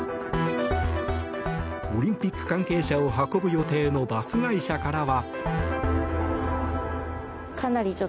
オリンピック関係者を運ぶ予定のバス会社からは。